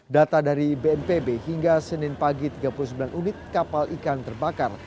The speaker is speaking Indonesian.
data dari bnpb hingga senin pagi tiga puluh sembilan unit kapal ikan terbakar